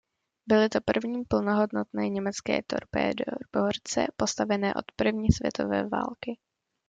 Byly to první plnohodnotné německé torpédoborce postavené od první světové války.